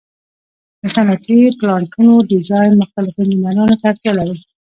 د صنعتي پلانټونو ډیزاین مختلفو انجینرانو ته اړتیا لري.